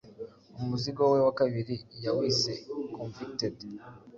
umuzingo we wa kabiri yawise ‘Konvicted